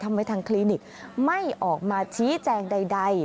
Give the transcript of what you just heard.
ทางคลินิกไม่ออกมาชี้แจงใด